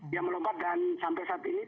dia melompat dan sampai saat ini